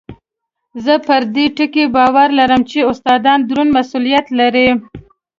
زه پر دې ټکي پوره باور لرم چې استادان دروند مسؤلیت لري.